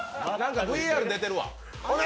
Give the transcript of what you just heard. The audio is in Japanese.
ＶＡＲ出てるわ。